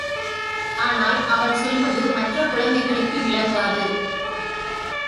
ஆனால், அவன் சொல்வது மற்ற குழந்தைகளுக்கு விளங்காது.